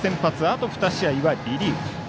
あと２試合はリリーフ。